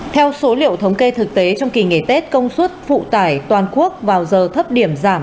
theo số liệu thống kê thực tế trong kỳ nghỉ tết công suất phụ tải toàn quốc vào giờ thấp điểm giảm